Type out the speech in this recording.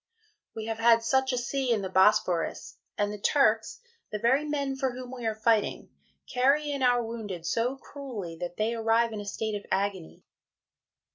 We have had such a Sea in the Bosphorus, and the Turks, the very men for whom we are fighting, carry in our Wounded so cruelly, that they arrive in a state of Agony.